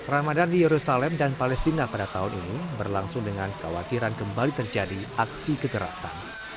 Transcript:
ramadan di yerusalem dan palestina pada tahun ini berlangsung dengan khawatiran kembali terjadi aksi kekerasan